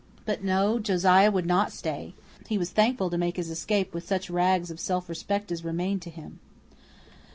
But, no, Josiah would not stay. He was thankful to make his escape with such rags of self respect as remained to him.